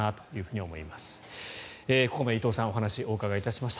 ここまで伊藤さんお話をお伺いしました。